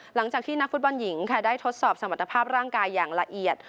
หลังจากที่นักฟุตบอลหญิงค่ะได้ทดสอบสมรรถภาพร่างกายอย่างละเอียด